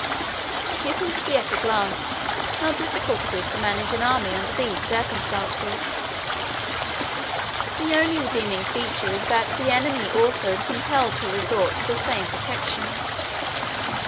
You can see at a glance how difficult it is to manage an army under these circumstances. The only redeeming feature is that the enemy also is compelled to resort to the same protection.